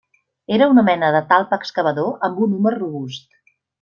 Era una mena de talp excavador amb un húmer robust.